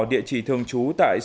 địa chỉ thường gọi là tây nam